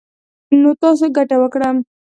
نـو تـاسو ګـټـه وكړه.